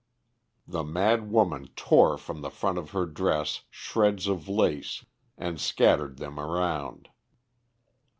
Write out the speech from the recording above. The mad woman tore from the front of her dress shreds of lace and scattered them around.